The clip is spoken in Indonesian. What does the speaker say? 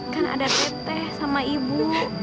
kan ada teh teh sama ibu